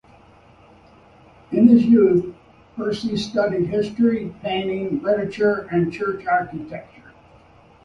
In his youth, Percy studied history, painting, literature and church architecture.